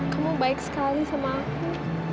kamu baik sekali sama aku